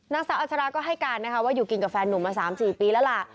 นางสาวอัชราก็ให้การนะคะว่าอยู่กินกับแฟนหนุ่มมา๓๔ปีแล้วล่ะ